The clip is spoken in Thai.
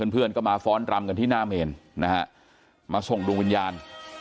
เพื่อนก็มาฟ้อนรำกันที่หน้าเมนนะฮะมาส่งดวงวิญญาณ